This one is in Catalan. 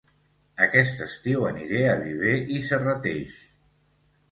Aquest estiu aniré a Viver i Serrateix